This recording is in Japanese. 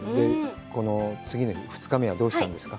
この次の日、２日目はどうしたんですか？